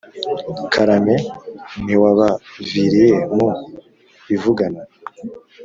karame ntiwabaviriye mu ivugana.